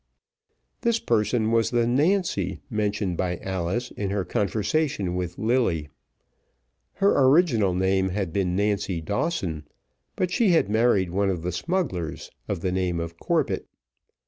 This person was the Nancy mentioned by Alice in her conversation with Lilly. Her original name had been Nancy Dawson, but she had married one of the smugglers, of the name of Corbett.